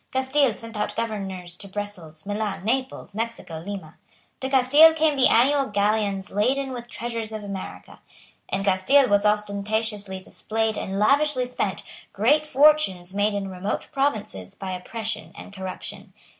Castile sent out governors to Brussels, Milan, Naples, Mexico, Lima. To Castile came the annual galleons laden with the treasures of America. In Castile was ostentatiously displayed and lavishly spent great fortunes made in remote provinces by oppression and corruption.